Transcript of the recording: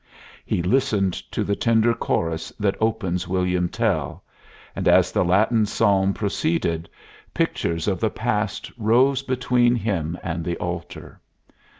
He listened to the tender chorus that opens William Tell; and, as the Latin psalm proceeded, pictures of the past rose between him and the altar.